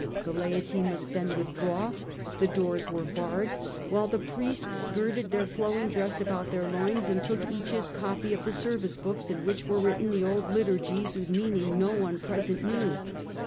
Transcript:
The laity must then with draw ; the doors were barred, while the priests girded their flowing dress about their loins, and took each his copy of the service books in which were written the old liturgies whose meaning no one present knew.